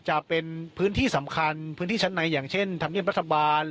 จะเป็นพื้นที่สำคัญพื้นที่ชั้นในอย่างเช่นธรรมเนียบรัฐบาล